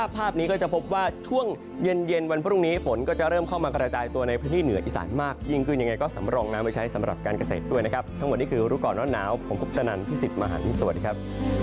ภาพนี้ก็จะพบว่าช่วงเย็นเย็นวันพรุ่งนี้ฝนก็จะเริ่มเข้ามากระจายตัวในพื้นที่เหนืออีสานมากยิ่งขึ้นยังไงก็สำรองน้ำไว้ใช้สำหรับการเกษตรด้วยนะครับทั้งหมดนี้คือรู้ก่อนร้อนหนาวผมคุปตนันพี่สิทธิ์มหันสวัสดีครับ